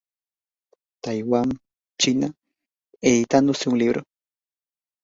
Taiwán, China editándose un libro.